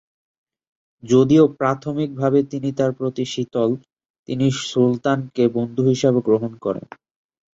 যদিও প্রাথমিকভাবে তিনি তার প্রতি শীতল, তিনি সুলতানকে বন্ধু হিসাবে গ্রহণ করেন।